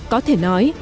có thể nói